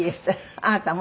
あなたも？